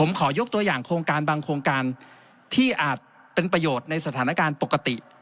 มีเป็นประโยชน์ในสถานการณ์ปกติ